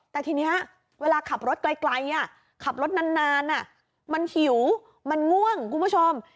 แต่ทีนี้เวลาขับรถไกลขับรถนานมันหิวมันง่วงคุณผู้ชม